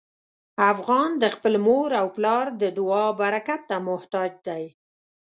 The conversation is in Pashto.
افغان د خپل مور او پلار د دعا برکت ته محتاج دی.